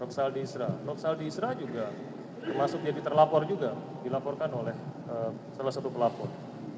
roksaldi isra roksaldi isra juga termasuk jadi terlapor juga dilaporkan oleh salah satu pelapor